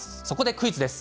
クイズです。